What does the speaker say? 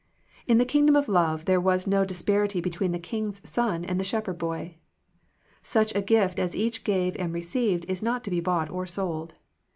In the kingdom of love there was no disparity between the king's son and the shepherd boy. Such a gift as each gave and received is not to be bought or sold.